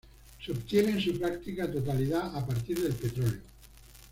Se obtiene en su práctica totalidad a partir del petróleo.